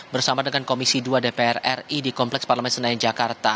bersama dengan komisi dua dpr ri di kompleks parlemen senayan jakarta